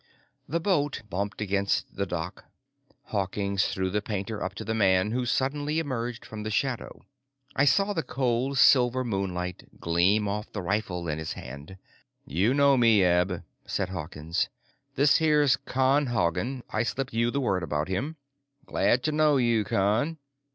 _ The boat bumped against the dock. Hawkins threw the painter up to the man who suddenly emerged from the shadow. I saw the cold silver moonlight gleam off the rifle in his hand. "You know me, Eb," said Hawkins. "This here's Con Haugen. I slipped you the word about him." "Glad to know you, Con."